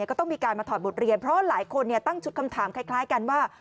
ก็ต้องมีการมาถอดบทเรียนเพราะหลายคนตั้งชุดคำถามคล้ายกันว่า